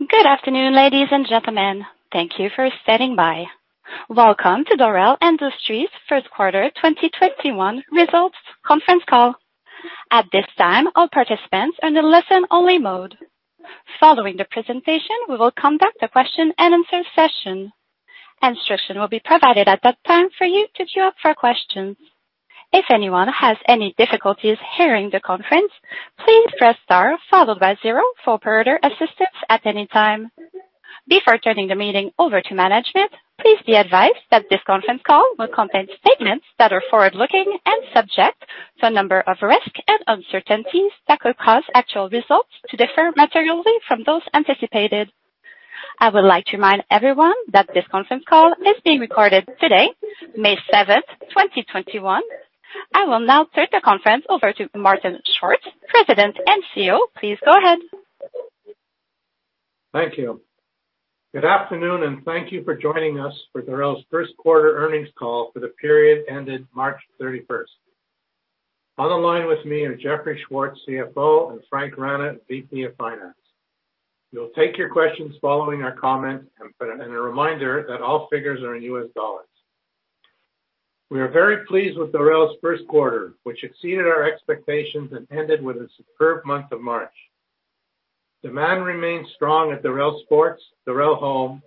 Good afternoon, ladies and gentlemen. Thank you for standing by. Welcome to Dorel Industries' first quarter 2021 results conference call. At this time, all participants are in a listen-only mode. Following the presentation, we will conduct a question-and-answer session. Instruction will be provided at that time for you to queue up for questions. If anyone has any difficulties hearing the conference, please press star followed by zero for operator assistance at any time. Before turning the meeting over to management, please be advised that this conference call will contain statements that are forward-looking and subject to a number of risks and uncertainties that could cause actual results to differ materially from those anticipated. I would like to remind everyone that this conference call is being recorded today, May 7th, 2021. I will now turn the conference over to Martin Schwartz, President and CEO. Please go ahead. Thank you. Good afternoon, and thank you for joining us for Dorel's first quarter earnings call for the period ended March 31st. On the line with me are Jeffrey Schwartz, CFO, and Frank Rana, VP of Finance. A reminder that all figures are in U.S. dollars. We are very pleased with Dorel's first quarter, which exceeded our expectations and ended with a superb month of March. Demand remains strong at Dorel Sports, Dorel Home,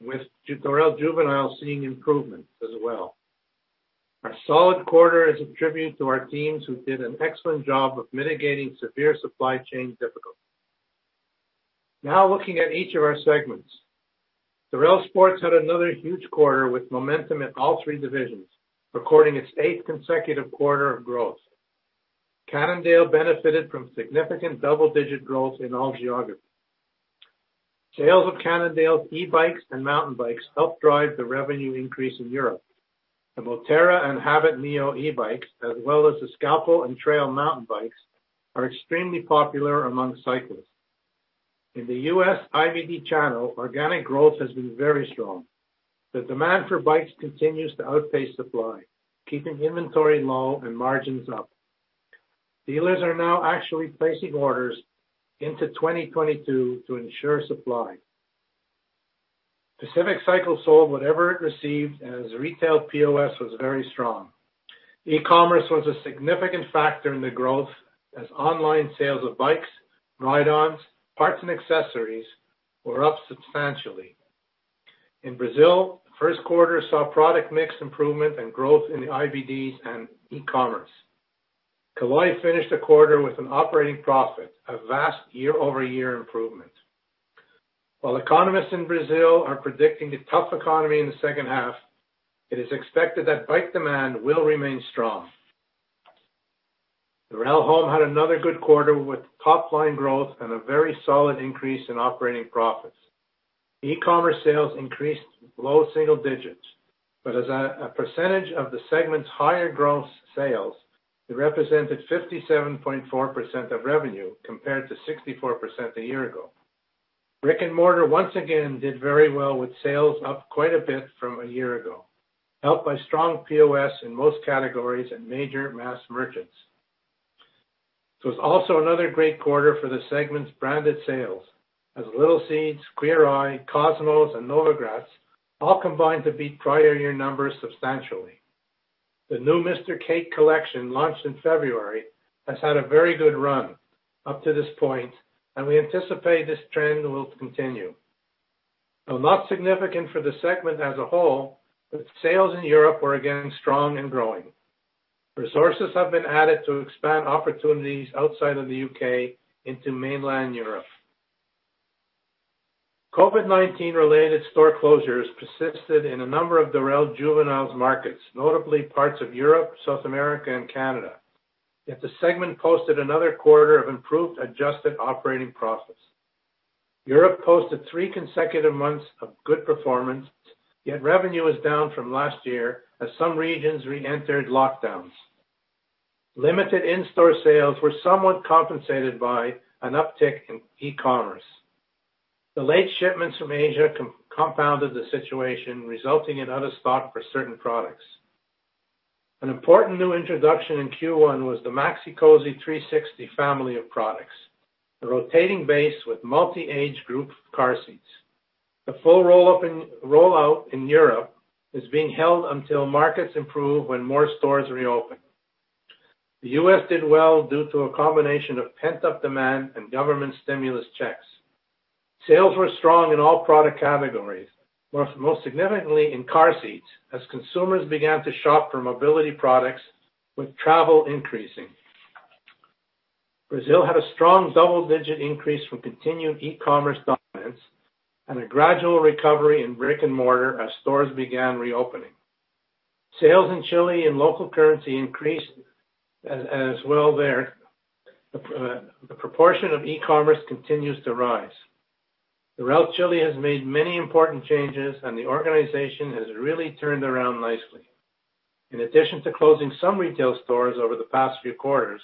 with Dorel Juvenile seeing improvements as well. Our solid quarter is a tribute to our teams who did an excellent job of mitigating severe supply chain difficulties. Now looking at each of our segments. Dorel Sports had another huge quarter with momentum in all three divisions, recording its eighth consecutive quarter of growth. Cannondale benefited from significant double-digit growth in all geographies. Sales of Cannondale's e-bikes and mountain bikes helped drive the revenue increase in Europe. The Moterra and Habit Neo e-bikes, as well as the Scalpel and Trail mountain bikes, are extremely popular among cyclists. In the U.S. IBD channel, organic growth has been very strong. The demand for bikes continues to outpace supply, keeping inventory low and margins up. Dealers are now actually placing orders into 2022 to ensure supply. Pacific Cycle sold whatever it received as retail POS was very strong. e-commerce was a significant factor in the growth as online sales of bikes, ride-ons, parts and accessories were up substantially. In Brazil, the first quarter saw product mix improvement and growth in the IBDs and e-commerce. Caloi finished the quarter with an operating profit, a vast year-over-year improvement. While economists in Brazil are predicting a tough economy in the second half, it is expected that bike demand will remain strong. Dorel Home had another good quarter with top-line growth and a very solid increase in operating profits. As a percentage of the segment's higher gross sales, e-commerce sales increased low single digits, but it represented 57.4% of revenue compared to 64% a year ago. Brick-and-mortar once again did very well with sales up quite a bit from a year ago, helped by strong POS in most categories and major mass merchants. It was also another great quarter for the segment's branded sales, as Little Seeds, Queer Eye, CosmoLiving by Cosmopolitan, and Novogratz all combined to beat prior year numbers substantially. The new Mr. Kate collection, launched in February, has had a very good run up to this point, and we anticipate this trend will continue. Though not significant for the segment as a whole, sales in Europe were again strong and growing. Resources have been added to expand opportunities outside of the U.K. into mainland Europe. COVID-19 related store closures persisted in a number of Dorel Juvenile markets, notably parts of Europe, South America, and Canada. The segment posted another quarter of improved adjusted operating profits. Europe posted three consecutive months of good performance, yet revenue is down from last year as some regions re-entered lockdowns. Limited in-store sales were somewhat compensated by an uptick in e-commerce. The late shipments from Asia compounded the situation, resulting in out of stock for certain products. An important new introduction in Q1 was the Maxi-Cosi 360 family of products, a rotating base with multi-age group car seats. The full rollout in Europe is being held until markets improve when more stores reopen. The U.S. did well due to a combination of pent-up demand and government stimulus checks. Sales were strong in all product categories, most significantly in car seats, as consumers began to shop for mobility products with travel increasing. Brazil had a strong double-digit increase from continued e-commerce dominance and a gradual recovery in brick-and-mortar as stores began reopening. Sales in Chile in local currency increased as well there. The proportion of e-commerce continues to rise. Dorel Chile has made many important changes, and the organization has really turned around nicely. In addition to closing some retail stores over the past few quarters,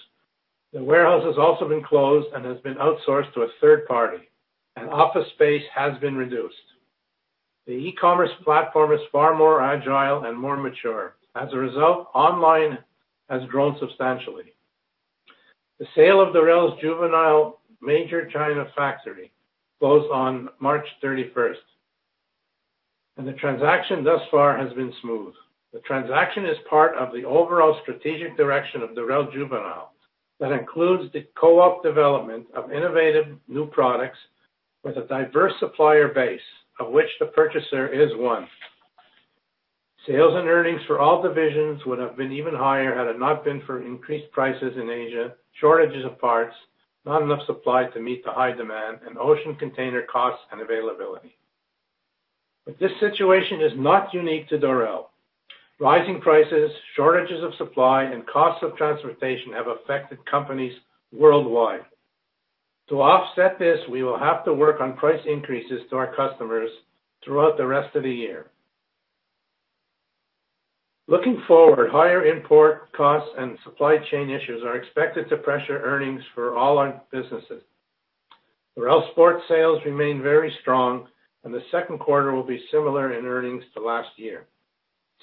the warehouse has also been closed and has been outsourced to a third party, and office space has been reduced. The e-commerce platform is far more agile and more mature. As a result, online has grown substantially. The sale of Dorel Juvenile major China factory closed on March 31st, the transaction thus far has been smooth. The transaction is part of the overall strategic direction of Dorel Juvenile that includes the co-op development of innovative new products with a diverse supplier base, of which the purchaser is one. Sales and earnings for all divisions would have been even higher had it not been for increased prices in Asia, shortages of parts, not enough supply to meet the high demand, and ocean container costs and availability. This situation is not unique to Dorel. Rising prices, shortages of supply, and costs of transportation have affected companies worldwide. To offset this, we will have to work on price increases to our customers throughout the rest of the year. Looking forward, higher import costs and supply chain issues are expected to pressure earnings for all our businesses. Dorel Sports sales remain very strong, and the second quarter will be similar in earnings to last year.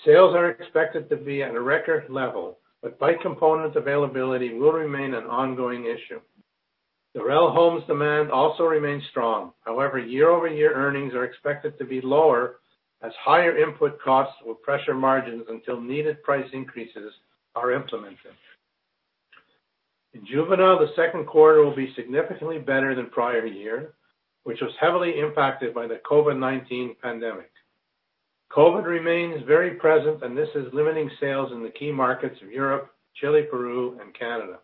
Sales are expected to be at a record level, but bike components availability will remain an ongoing issue. Dorel Home demand also remains strong. However, year-over-year earnings are expected to be lower as higher input costs will pressure margins until needed price increases are implemented. In Dorel Juvenile, the second quarter will be significantly better than prior year, which was heavily impacted by the COVID-19 pandemic. COVID remains very present, and this is limiting sales in the key markets of Europe, Chile, Peru, and Canada.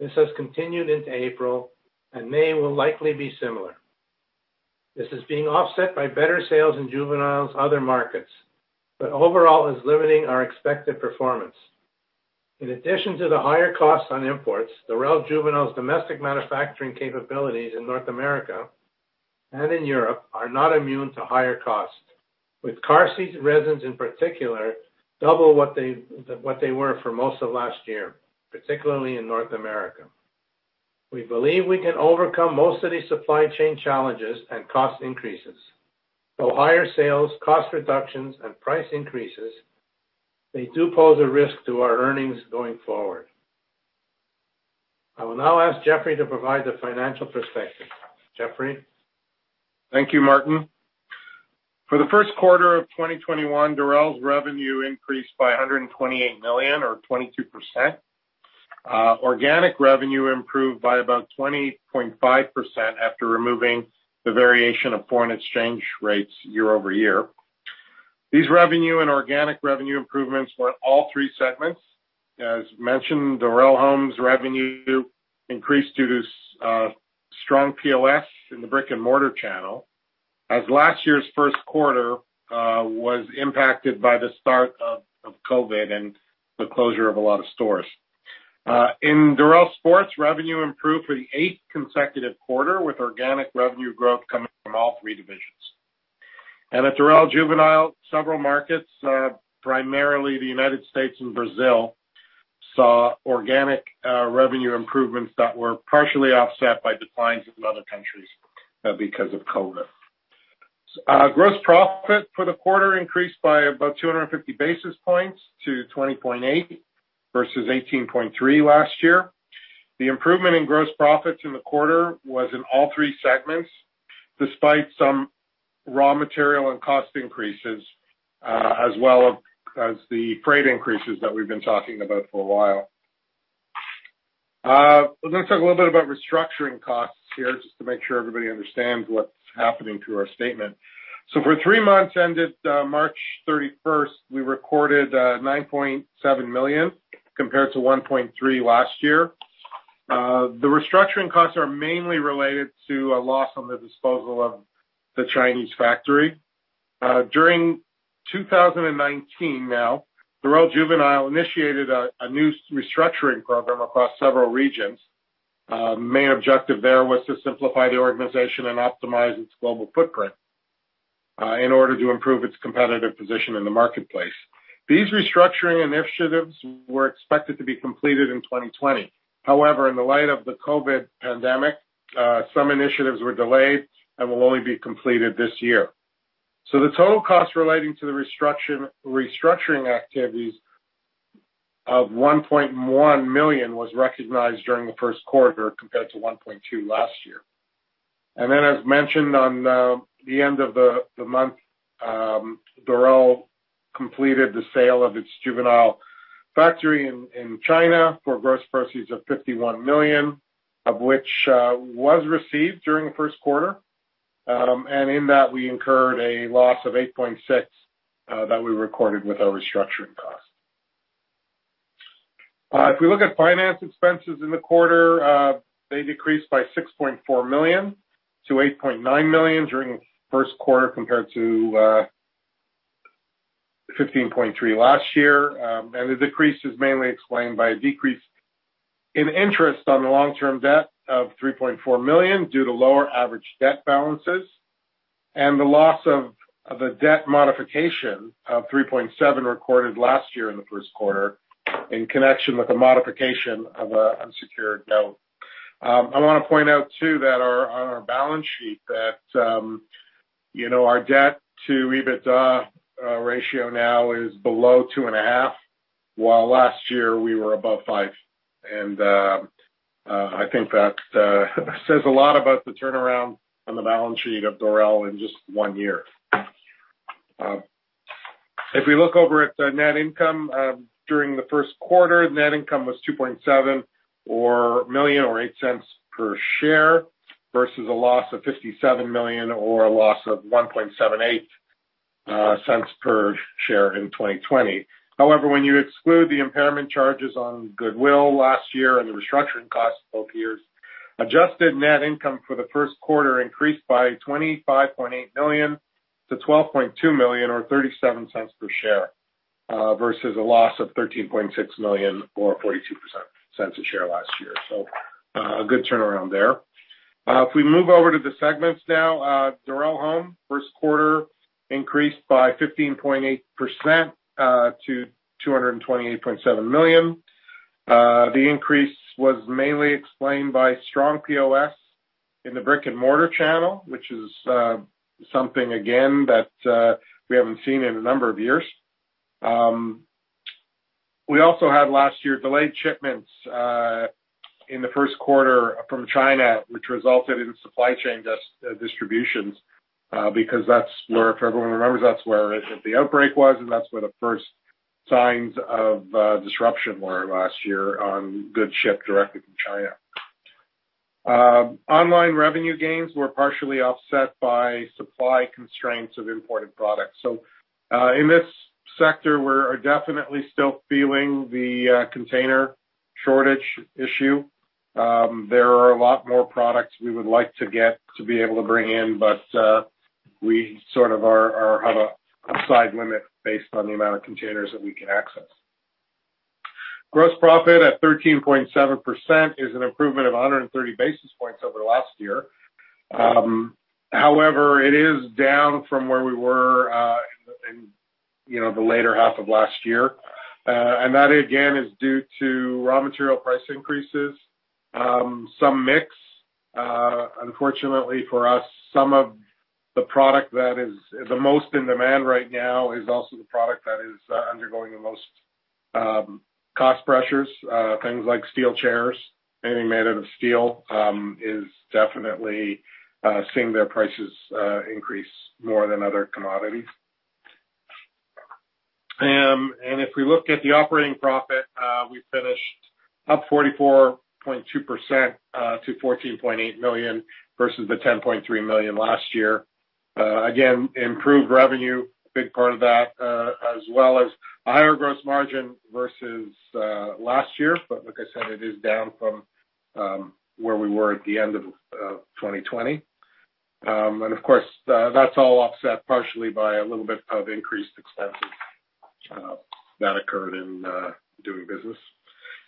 This has continued into April, and May will likely be similar. This is being offset by better sales in Dorel Juvenile's other markets, but overall is limiting our expected performance. In addition to the higher costs on imports, Dorel Juvenile's domestic manufacturing capabilities in North America and in Europe are not immune to higher costs, with car seat resins in particular double what they were for most of last year, particularly in North America. We believe we can overcome most of these supply chain challenges and cost increases through higher sales, cost reductions, and price increases. They do pose a risk to our earnings going forward. I will now ask Jeffrey to provide the financial perspective. Jeffrey? Thank you, Martin. For the first quarter of 2021, Dorel's revenue increased by $128 million or 22%. Organic revenue improved by about 20.5% after removing the variation of foreign exchange rates year-over-year. These revenue and organic revenue improvements were all three segments. As mentioned, Dorel Home's revenue increased due to strong POS in the brick-and-mortar channel, as last year's first quarter was impacted by the start of COVID and the closure of a lot of stores. In Dorel Sports, revenue improved for the eighth consecutive quarter, with organic revenue growth coming from all three divisions. At Dorel Juvenile, several markets, primarily the U.S. and Brazil, saw organic revenue improvements that were partially offset by declines in other countries because of COVID. Gross profit for the quarter increased by about 250 basis points to 20.8% versus 18.3% last year. The improvement in gross profits in the quarter was in all three segments, despite some raw material and cost increases, as well as the freight increases that we've been talking about for a while. I'm going to talk a little bit about restructuring costs here, just to make sure everybody understands what's happening to our statement. For three months ended March 31st, we recorded $9.7 million, compared to $1.3 million last year. The restructuring costs are mainly related to a loss on the disposal of the Chinese factory. During 2019 now, Dorel Juvenile initiated a new restructuring program across several regions. Main objective there was to simplify the organization and optimize its global footprint in order to improve its competitive position in the marketplace. These restructuring initiatives were expected to be completed in 2020. However, in the light of the COVID pandemic, some initiatives were delayed and will only be completed this year. The total cost relating to the restructuring activities of $1.1 million was recognized during the first quarter, compared to $1.2 million last year. As mentioned on the end of the month, Dorel completed the sale of its Juvenile factory in China for gross proceeds of $51 million, of which was received during the first quarter. In that, we incurred a loss of $8.6 million that we recorded with our restructuring cost. If we look at finance expenses in the quarter, they decreased by $6.4 million-$8.9 million during the first quarter compared to $15.3 million last year. The decrease is mainly explained by a decrease in interest on the long-term debt of $3.4 million due to lower average debt balances and the loss of the debt modification of $3.7 million recorded last year in the first quarter in connection with a modification of an unsecured note. I want to point out too, that on our balance sheet, that our debt to EBITDA ratio now is below 2.5, while last year we were above five. I think that says a lot about the turnaround on the balance sheet of Dorel in just one year. If we look over at net income during the first quarter, net income was $2.7 million or $0.08 per share, versus a loss of $57 million or a loss of $1.78 per share in 2020. When you exclude the impairment charges on goodwill last year and the restructuring costs both years, adjusted net income for the first quarter increased by $25.8 million-$12.2 million or $0.37 per share, versus a loss of $13.6 million or $0.42 a share last year. A good turnaround there. If we move over to the segments now, Dorel Home first quarter increased by 15.8% to $228.7 million. The increase was mainly explained by strong POS in the brick and mortar channel, which is something, again, that we haven't seen in a number of years. We also had last year delayed shipments in the first quarter from China, which resulted in supply chain disruptions, because that's where, if everyone remembers, that's where the outbreak was, and that's where the first signs of disruption were last year on goods shipped directly from China. Online revenue gains were partially offset by supply constraints of imported products. In this sector, we are definitely still feeling the container shortage issue. There are a lot more products we would like to get to be able to bring in, but we sort of have a side limit based on the amount of containers that we can access. Gross profit at 13.7% is an improvement of 130 basis points over last year. However, it is down from where we were in the later half of last year. That, again, is due to raw material price increases. Some mix, unfortunately for us, some of the product that is the most in demand right now is also the product that is undergoing the most cost pressures. Things like steel chairs, anything made out of steel, is definitely seeing their prices increase more than other commodities. If we look at the operating profit, we finished up 44.2% to $14.8 million, versus the $10.3 million last year. Again, improved revenue, big part of that, as well as higher gross margin versus last year. Like I said, it is down from where we were at the end of 2020. Of course, that's all offset partially by a little bit of increased expenses that occurred in doing business.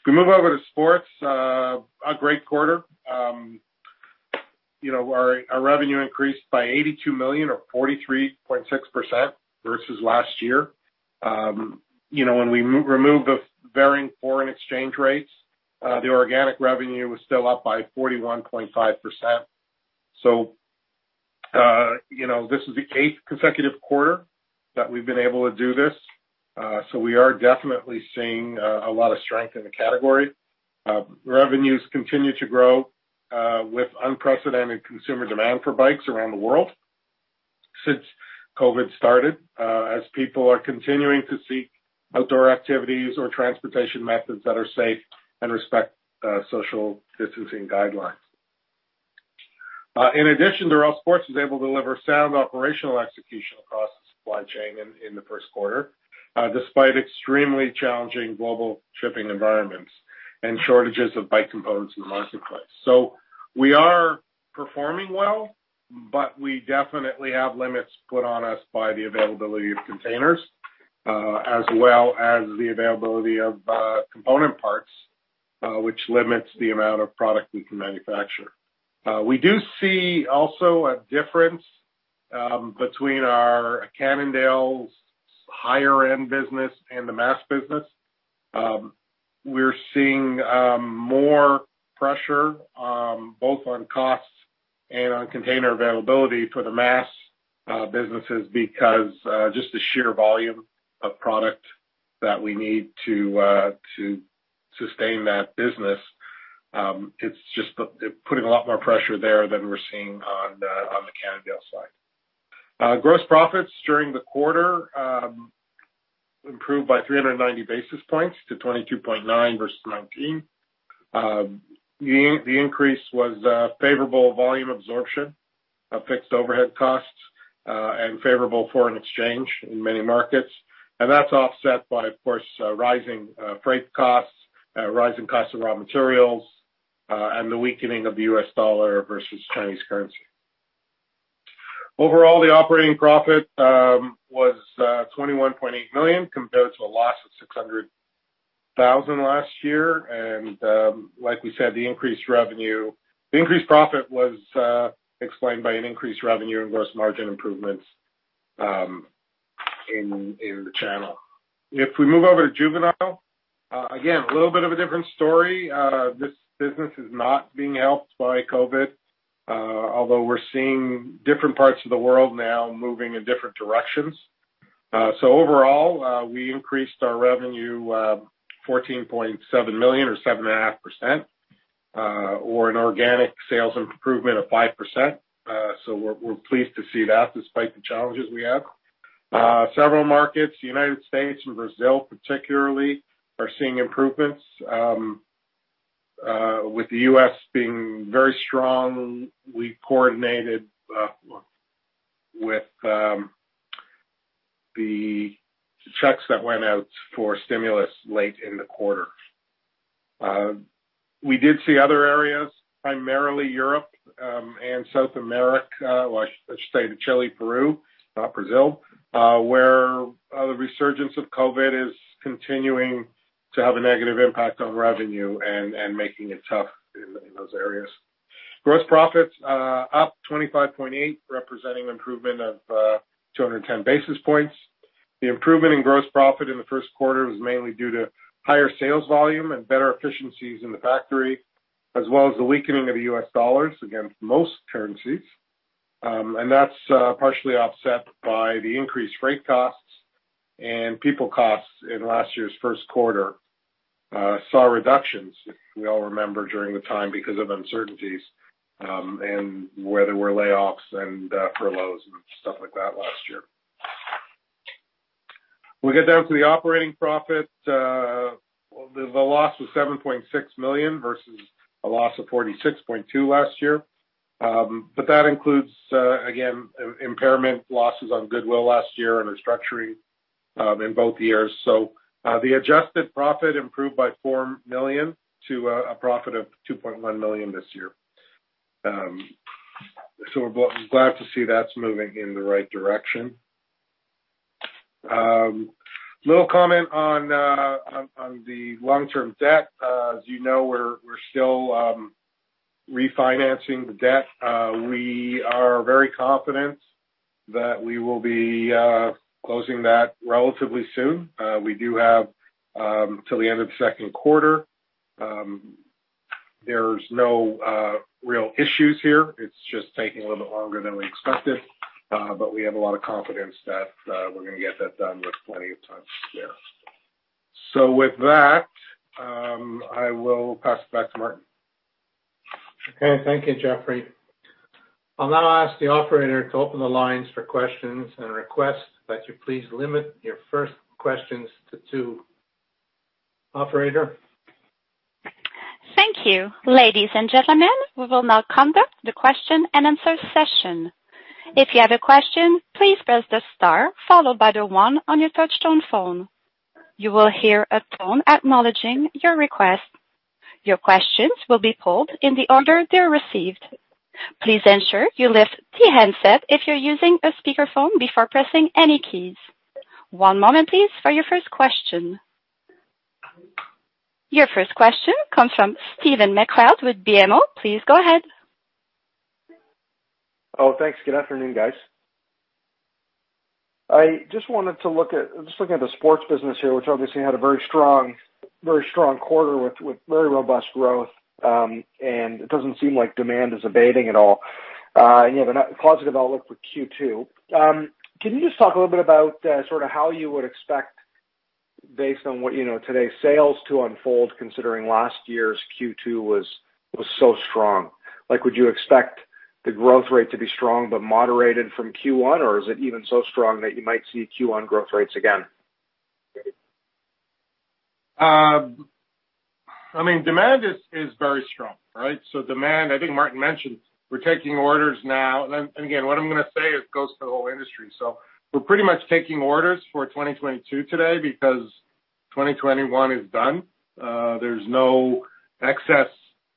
If we move over to Sports, a great quarter. Our revenue increased by $82 million or 43.6% versus last year. When we remove the varying foreign exchange rates, the organic revenue was still up by 41.5%. This is the eighth consecutive quarter that we've been able to do this. We are definitely seeing a lot of strength in the category. Revenues continue to grow with unprecedented consumer demand for bikes around the world since COVID-19 started, as people are continuing to seek outdoor activities or transportation methods that are safe and respect social distancing guidelines. In addition, Dorel Sports was able to deliver sound operational execution across the supply chain in the first quarter, despite extremely challenging global shipping environments and shortages of bike components in the marketplace. We are performing well, but we definitely have limits put on us by the availability of containers as well as the availability of component parts, which limits the amount of product we can manufacture. We do see also a difference between our Cannondale's higher end business and the mass business. We're seeing more pressure, both on costs and on container availability for the mass businesses because just the sheer volume of product that we need to sustain that business. It's just putting a lot more pressure there than we're seeing on the Cannondale side. Gross profits during the quarter improved by 390 basis points to 22.9% versus 19%. The increase was favorable volume absorption of fixed overhead costs, and favorable foreign exchange in many markets. That's offset by, of course, rising freight costs, rising costs of raw materials, and the weakening of the U.S. dollar versus Chinese currency. Overall, the operating profit was $21.8 million compared to a loss of $600,000 last year. Like we said, the increased profit was explained by an increased revenue and gross margin improvements in the channel. If we move over to Juvenile, again, a little bit of a different story. This business is not being helped by COVID, although we're seeing different parts of the world now moving in different directions. Overall, we increased our revenue $14.7 million or 7.5%, or an organic sales improvement of 5%. We're pleased to see that despite the challenges we have. Several markets, U.S. and Brazil particularly, are seeing improvements. With the U.S. being very strong, we coordinated with the checks that went out for stimulus late in the quarter. We did see other areas, primarily Europe and South America. Well, I should say Chile, Peru, Brazil, where the resurgence of COVID-19 is continuing to have a negative impact on revenue and making it tough in those areas. Gross profits are up $25.8, representing improvement of 210 basis points. The improvement in gross profit in the first quarter was mainly due to higher sales volume and better efficiencies in the factory, as well as the weakening of the U.S. dollars against most currencies. That's partially offset by the increased freight costs and people costs in last year's first quarter, saw reductions, if we all remember, during the time because of uncertainties, and where there were layoffs and furloughs and stuff like that last year. We get down to the operating profit. The loss was $7.6 million versus a loss of $46.2 million last year. That includes, again, impairment losses on goodwill last year and restructuring in both years. The adjusted profit improved by $4 million to a profit of $2.1 million this year. We're glad to see that's moving in the right direction. A little comment on the long-term debt. As you know, we're still refinancing the debt. We are very confident that we will be closing that relatively soon. We do have till the end of the second quarter. There's no real issues here. It's just taking a little bit longer than we expected. We have a lot of confidence that we're going to get that done with plenty of time to spare. With that, I will pass it back to Martin. Okay. Thank you, Jeffrey. I'll now ask the operator to open the lines for questions and request that you please limit your first questions to two. Operator? Thank you. Ladies and gentlemen, we will now conduct the question and answer session. If you have a question, please press the star followed by the one on your touchtone phone. You will hear a tone acknowledging your request. Your questions will be pulled in the order they are received. Please ensure you lift the handset if you're using a speakerphone before pressing any keys. One moment please for your first question. Your first question comes from Stephen MacLeod with BMO. Please go ahead. Thanks. Good afternoon, guys. I just wanted to look at the sports business here, which obviously had a very strong quarter with very robust growth. It doesn't seem like demand is abating at all. You have a positive outlook for Q2. Can you just talk a little bit about sort of how you would expect, based on what today's sales to unfold, considering last year's Q2 was so strong? Would you expect the growth rate to be strong but moderated from Q1? Is it even so strong that you might see Q1 growth rates again? Demand is very strong, right? Demand, I think Martin Schwartz mentioned, we're taking orders now. Again, what I'm going to say goes for the whole industry. We're pretty much taking orders for 2022 today because 2021 is done. There's no excess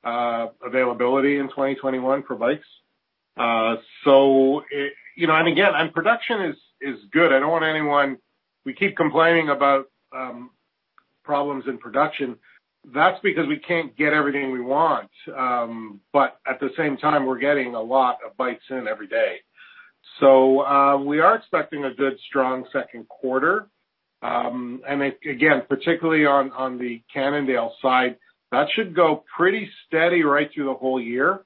availability in 2021 for bikes. Again, production is good. We keep complaining about problems in production. That's because we can't get everything we want. At the same time, we're getting a lot of bikes in every day. We are expecting a good, strong second quarter. Again, particularly on the Cannondale side, that should go pretty steady right through the whole year.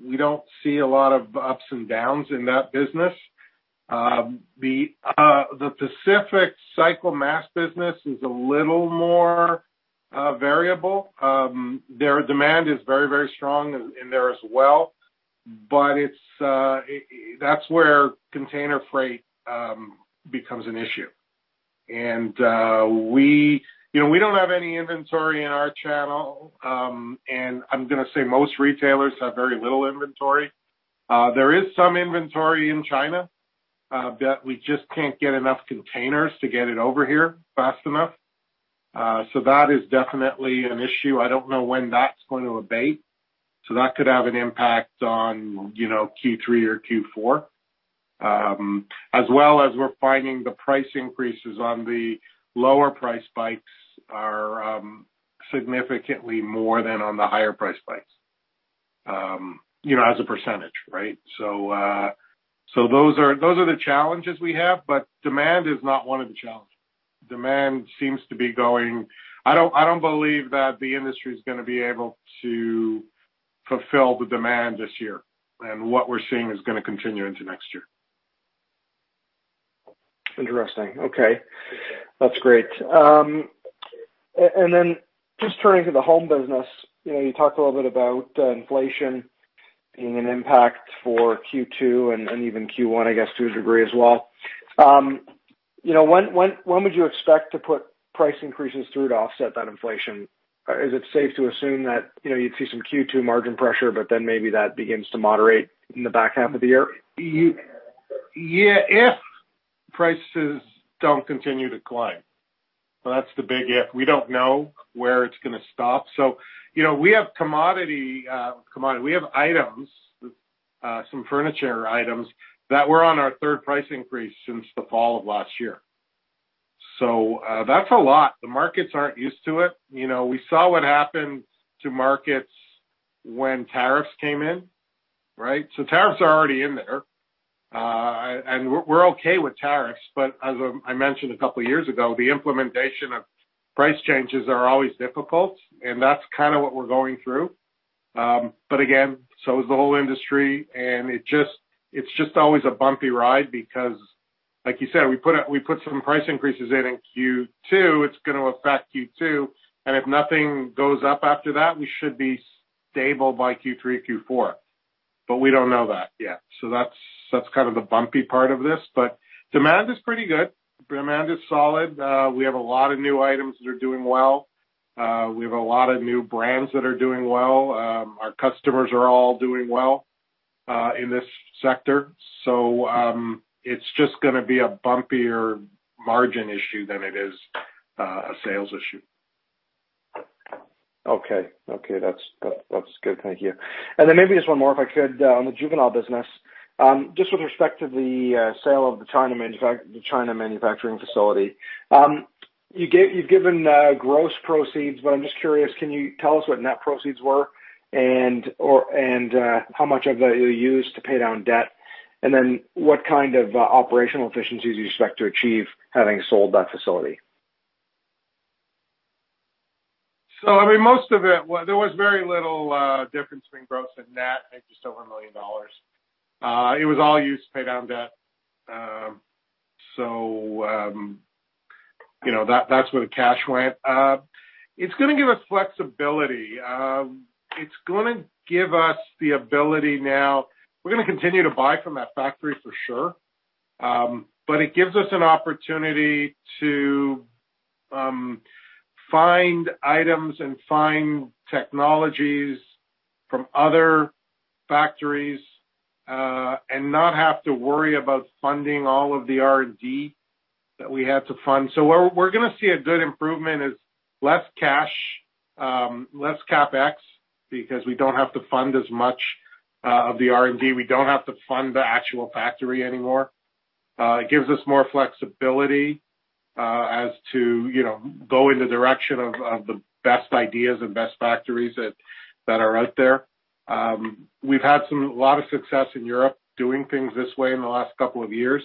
We don't see a lot of ups and downs in that business. The Pacific Cycle mass business is a little more variable. Their demand is very, very strong in there as well, but that's where container freight becomes an issue. We don't have any inventory in our channel, and I'm going to say most retailers have very little inventory. There is some inventory in China that we just can't get enough containers to get it over here fast enough. That is definitely an issue. I don't know when that's going to abate. That could have an impact on Q3 or Q4. As well as we're finding the price increases on the lower priced bikes are significantly more than on the higher priced bikes. As a percentage, right? Those are the challenges we have, but demand is not one of the challenges. I don't believe that the industry's going to be able to fulfill the demand this year, and what we're seeing is going to continue into next year. Interesting. Okay. That's great. Just turning to the home business, you talked a little bit about inflation being an impact for Q2 and even Q1, I guess, to a degree as well. When would you expect to put price increases through to offset that inflation? Is it safe to assume that you'd see some Q2 margin pressure, but then maybe that begins to moderate in the back half of the year? Yeah, if prices don't continue to climb. That's the big if. We don't know where it's going to stop. We have items, some furniture items, that were on our third price increase since the fall of last year. That's a lot. The markets aren't used to it. We saw what happened to markets when tariffs came in, right? Tariffs are already in there. We're okay with tariffs, but as I mentioned a couple of years ago, the implementation of price changes are always difficult, and that's kind of what we're going through. Again, so is the whole industry, and it's just always a bumpy ride because, like you said, we put some price increases in in Q2, it's going to affect Q2, and if nothing goes up after that, we should be stable by Q3, Q4. We don't know that yet. That's kind of the bumpy part of this. Demand is pretty good. Demand is solid. We have a lot of new items that are doing well. We have a lot of new brands that are doing well. Our customers are all doing well in this sector. It's just gonna be a bumpier margin issue than it is a sales issue. Okay. That's good. Thank you. Then maybe just one more, if I could, on the Dorel Juvenile. Just with respect to the sale of the China manufacturing facility. You've given gross proceeds, but I'm just curious, can you tell us what net proceeds were and how much of that you used to pay down debt? Then what kind of operational efficiencies do you expect to achieve having sold that facility? I mean, there was very little difference between gross and net, maybe just over $1 million. It was all used to pay down debt. That's where the cash went. It's going to give us flexibility. We're going to continue to buy from that factory, for sure. It gives us an opportunity to find items and find technologies from other factories, and not have to worry about funding all of the R&D that we had to fund. Where we're going to see a good improvement is less cash, less CapEx, because we don't have to fund as much of the R&D. We don't have to fund the actual factory anymore. It gives us more flexibility as to go in the direction of the best ideas and best factories that are out there. We've had a lot of success in Europe doing things this way in the last couple of years.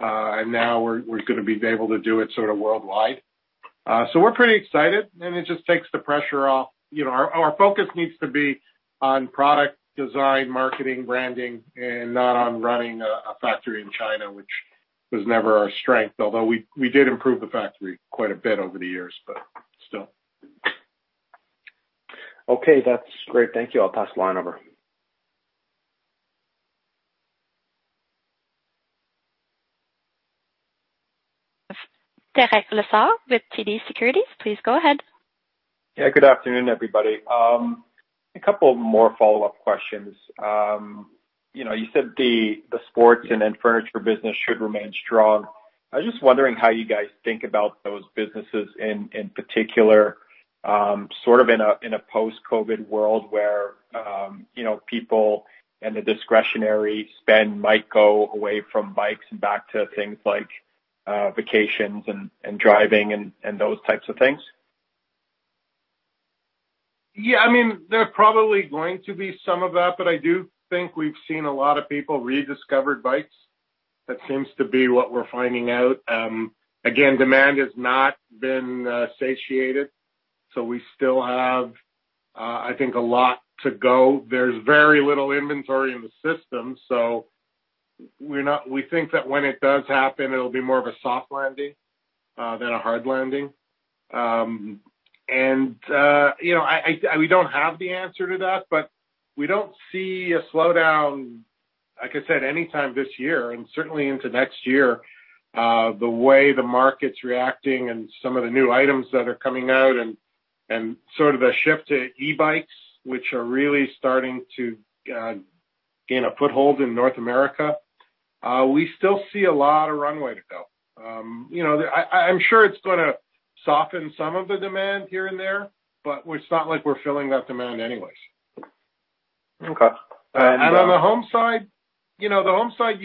Now we're gonna be able to do it sort of worldwide. We're pretty excited, and it just takes the pressure off. Our focus needs to be on product design, marketing, branding, and not on running a factory in China, which was never our strength, although we did improve the factory quite a bit over the years, but still. Okay. That's great. Thank you. I'll pass the line over. Derek Lessard with TD Securities, please go ahead. Yeah, good afternoon, everybody. A couple more follow-up questions. You said the Sports and then furniture business should remain strong. I was just wondering how you guys think about those businesses in particular, sort of in a post-COVID world where people and the discretionary spend might go away from bikes and back to things like vacations and driving and those types of things. Yeah, I mean, there are probably going to be some of that, but I do think we've seen a lot of people rediscover bikes. That seems to be what we're finding out. Again, demand has not been satiated. We still have, I think, a lot to go. There's very little inventory in the system, so we think that when it does happen, it'll be more of a soft landing than a hard landing. We don't have the answer to that, but we don't see a slowdown, like I said, anytime this year and certainly into next year. The way the market's reacting and some of the new items that are coming out and sort of a shift to e-bikes, which are really starting to gain a foothold in North America, we still see a lot of runway to go. I'm sure it's gonna soften some of the demand here and there, but it's not like we're filling that demand anyways. Okay. On the home side, the home side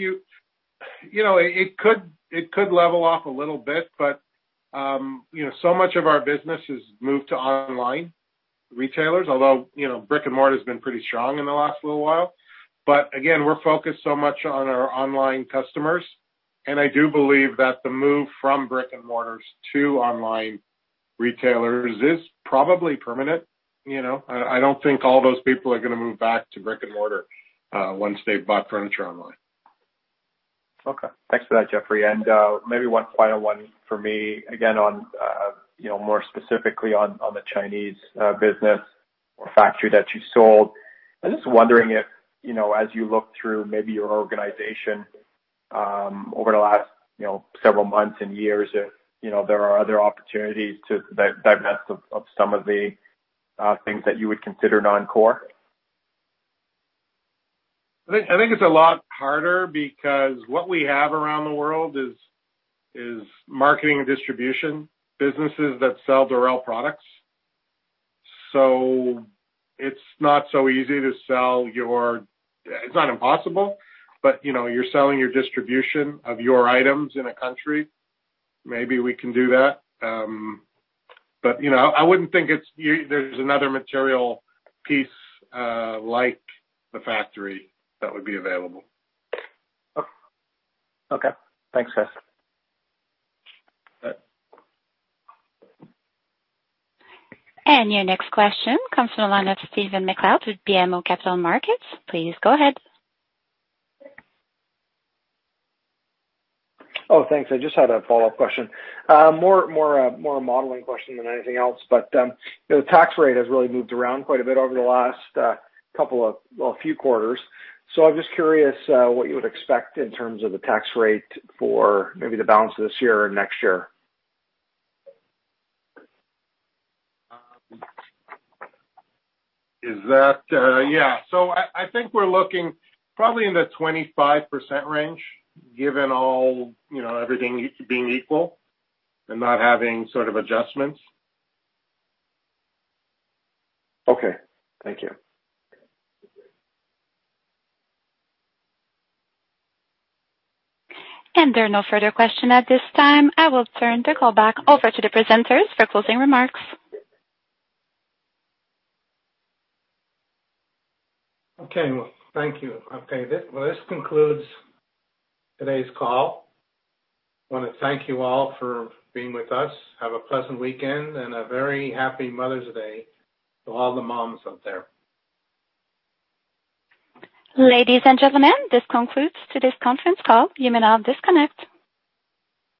it could level off a little bit, but so much of our business has moved to online retailers, although brick-and-mortar's been pretty strong in the last little while. Again, we're focused so much on our online customers, and I do believe that the move from brick-and-mortars to online retailers is probably permanent. I don't think all those people are going to move back to brick-and-mortar once they've bought furniture online. Okay. Thanks for that, Jeffrey. Maybe one final one for me, again, more specifically on the Chinese business or factory that you sold. I'm just wondering if, as you look through maybe your organization over the last several months and years, if there are other opportunities to divest of some of the things that you would consider non-core? I think it's a lot harder because what we have around the world is marketing and distribution businesses that sell Dorel products. It's not impossible, but you're selling your distribution of your items in a country. Maybe we can do that. I wouldn't think there's another material piece like the factory that would be available. Okay. Thanks, guys. Your next question comes from the line of Stephen MacLeod with BMO Capital Markets. Please go ahead. Oh, thanks. I just had a follow-up question. More a modeling question than anything else, the tax rate has really moved around quite a bit over the last few quarters. I'm just curious what you would expect in terms of the tax rate for maybe the balance of this year or next year. Yeah. I think we're looking probably in the 25% range, given everything being equal and not having sort of adjustments. Okay. Thank you. There are no further question at this time. I will turn the call back over to the presenters for closing remarks. Okay. Well, thank you. Okay. Well, this concludes today's call. I want to thank you all for being with us. Have a pleasant weekend and a very happy Mother's Day to all the moms out there. Ladies and gentlemen, this concludes today's conference call. You may now disconnect.